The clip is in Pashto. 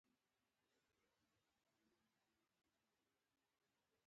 منثور متلونه دوه ډوله دي بشپړه جمله او نیمګړې جمله